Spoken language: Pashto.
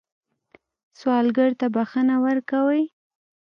سوالګر ته بښنه ورکوئ